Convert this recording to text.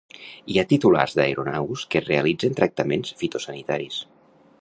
Hi ha titulars d'aeronaus que realitzen tractaments fitosanitaris.